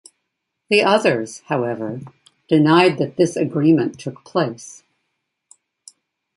The others, however, denied that this agreement took place.